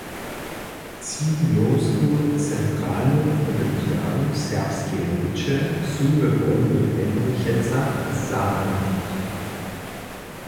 Třidnjowsku centralnu olympiadu serbskeje rěče su we Wodowych Hendrichecach zahajili.